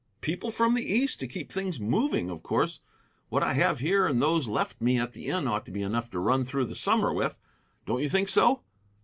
"People from the East to keep things moving, of course. What I have here and those left me at the inn ought to be enough to run through the summer with. Don't you think so?"